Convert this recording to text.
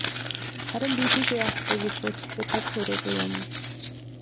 Харин би тийшээ явахгүй гэж хөөцөлдөөд, чадал хүрээгүй юм.